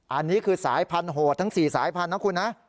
อันนี้คือสายพันธุ์โหดทั้งสี่สายพันธุ์นะครับคุณฮะ